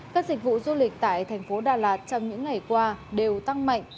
các dịch vụ du lịch tại thành phố đà lạt trong những ngày qua đều tăng mạnh